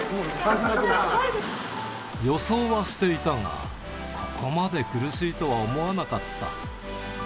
予想はしていたが、ここまで苦しいとは思わなかった。